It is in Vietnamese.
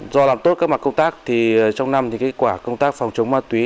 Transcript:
do làm tốt các mặt công tác trong năm kết quả công tác phòng chống ma túy